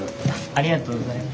ありがとうございます。